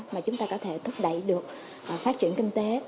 mà chúng ta có thể thúc đẩy được phát triển kinh tế